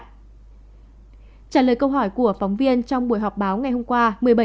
trả lời câu hỏi của phóng viên trong buổi họp báo ngày hôm qua một mươi bảy chín